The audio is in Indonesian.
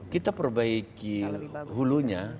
kita perbaiki hulunya